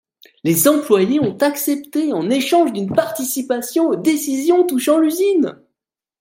Les employés ont accepté en échange d'une participation aux décisions touchant l'usine.